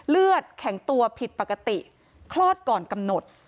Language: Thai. เลือดแข็งตัวผิดปกติคลอดก่อนกำหนด